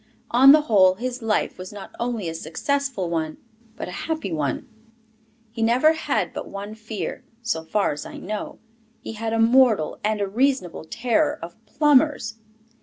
On the whole, his life was not only a successful one, but a happy one. He never had but one fear, so far as I know: he had a mortal and a reasonable terror of plumbers.